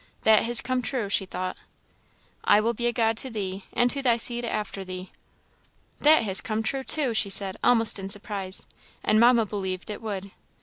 "That has come true," she thought. "I will be a God to thee, and to thy seed after thee." "That has come true, too!" she said, almost in surprise "and Mamma believed it would."